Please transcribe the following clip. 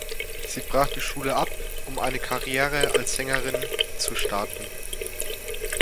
Sie brach die Schule ab, um eine Karriere als Sängerin zu starten.